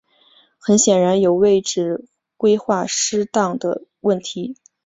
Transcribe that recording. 很显然有位置规划失当的问题。